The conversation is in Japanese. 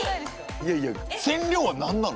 いやいや染料は何なの？